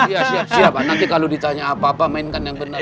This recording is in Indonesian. iya siap siap nanti kalau ditanya apa apa mainkan yang benar